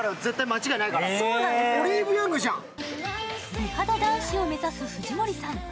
美肌男子を目指す藤森さん。